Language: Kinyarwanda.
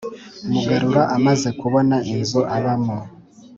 mugarura amaze kubona inzu abamo,